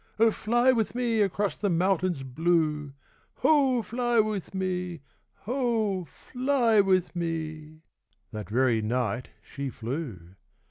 Oh, fly with me Across the mountains blue! Hoh, fly with me! Hoh, fly with me! ' That very night she flew.